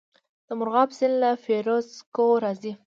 د مرغاب سیند له فیروز کوه راځي